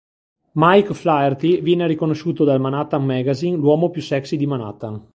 Mike Flaherty viene riconosciuto dal Manhattan Magazine l'uomo più sexy di Manhattan.